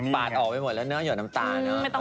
ปาดออกไปหมดแล้วเนอน้ำตาเนอะ